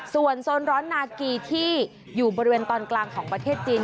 ส่วนโซนร้อนนากีที่อยู่บริเวณตอนกลางของประเทศจีน